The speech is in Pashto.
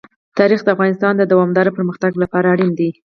تاریخ د افغانستان د دوامداره پرمختګ لپاره اړین دي.